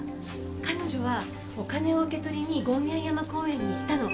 彼女はお金を受け取りに権現山公園に行ったの。